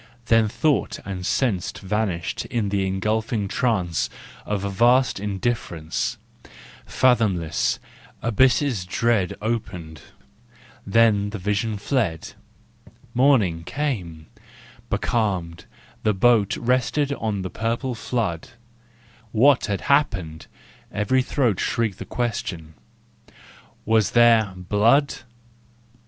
then thought and sense Vanished in the engulfing trance Of a vast Indifference. Fathomless, abysses dread Opened—then the vision fled. Morning came: becalmed, the boat Rested on the purple flood: " What had happened ?" every throat Shrieked the question :" was there— Blood?"